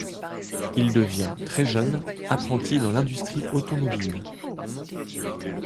Il devient, très jeune, apprenti dans l'industrie automobile.